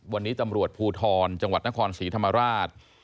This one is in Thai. วันนี้ตำรวจภูทรจังหวัดนครศรีธรรมราช